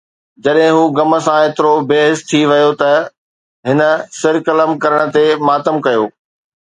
جڏهن هو غم سان ايترو بي حس ٿي ويو ته هن سر قلم ڪرڻ تي ماتم ڪيو